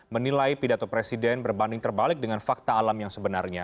menilai pidato presiden berbanding terbalik dengan fakta alam yang sebenarnya